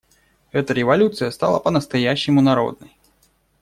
Эта революция стала по-настоящему народной.